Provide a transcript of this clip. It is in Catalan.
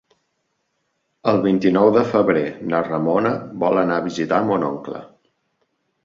El vint-i-nou de febrer na Ramona vol anar a visitar mon oncle.